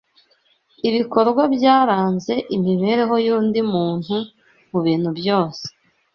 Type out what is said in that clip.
ibikorwa byaranze imibereho y’undi muntu mu bintu byose